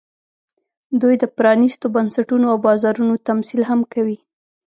دوی د پرانېستو بنسټونو او بازارونو تمثیل هم کوي